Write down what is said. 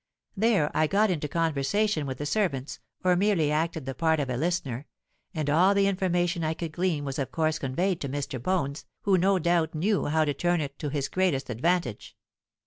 There I got into conversation with the servants, or merely acted the part of a listener; and all the information I could glean was of course conveyed to Mr. Bones, who no doubt knew how to turn it to his greatest advantage.